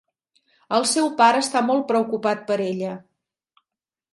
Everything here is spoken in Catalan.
El seu pare està molt preocupat per ella.